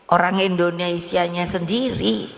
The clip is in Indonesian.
orang indonesia nya sendiri